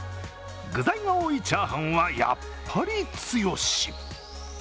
具材が多いチャーハンはやっぱり強し。